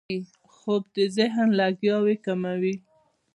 خوب د ذهن لګیاوي کموي